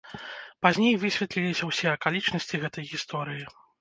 Пазней высветліліся ўсе акалічнасці гэтай гісторыі.